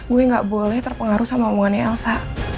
gue gak boleh terpengaruh sama omongannya elsa